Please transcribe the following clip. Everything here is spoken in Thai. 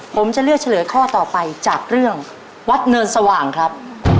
ผมจะเลือกเฉลยข้อต่อไปจากเรื่องวัดเนินสว่างครับ